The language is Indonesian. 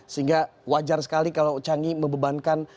sehingga wajar sekali kalau changi mebebankan